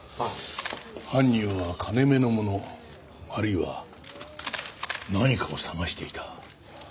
犯人は金目の物あるいは何かを捜していた。